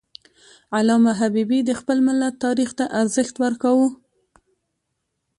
علامه حبیبي د خپل ملت تاریخ ته ارزښت ورکاوه.